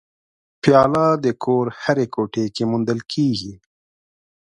پیاله د کور هرې کوټې کې موندل کېږي.